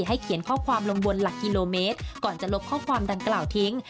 เขียนข้อความลงบนหลักกิโลเมตรก่อนจะลบข้อความดังกล่าวทิ้ง